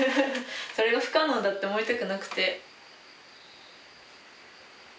それが不可能だって思いたくなくて。